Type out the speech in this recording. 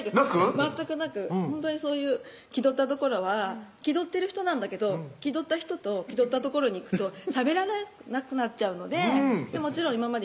全くなくほんとにそういう気取った所は気取ってる人なんだけど気取った人と気取った所に行くとしゃべらなくなっちゃうのでもちろん今まで